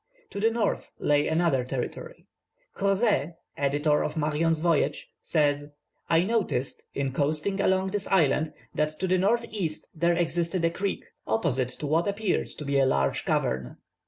To the north lay another territory. Crozet, editor of Marion's voyage, says, "I noticed, in coasting along this island, that to the N.E. there existed a creek, opposite to what appeared to be a large cavern.